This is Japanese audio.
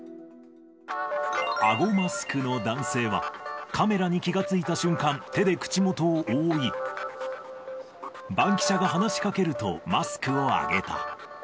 あごマスクの男性は、カメラに気が付いた瞬間、手で口元を覆い、バンキシャが話しかけると、マスクを上げた。